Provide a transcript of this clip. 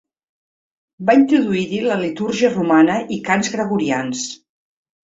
Va introduir-hi la litúrgia romana i cants gregorians.